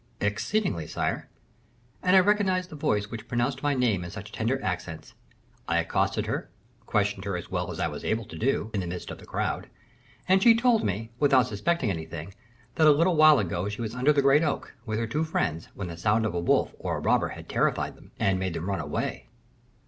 "Exceedingly, sire; and I recognized the voice which pronounced my name in such tender accents. I accosted her, questioned her as well as I was able to do, in the midst of the crowd; and she told me, without suspecting anything, that a little while ago she was under the great oak, with her two friends, when the sound of a wolf or a robber had terrified them, and made them run away."